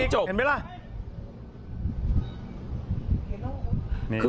จบเห็นไหมล่ะ